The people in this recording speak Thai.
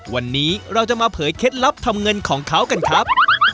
วันนี้เราจะมาเผยเคล็ดลับทำเงินของเขากันครับ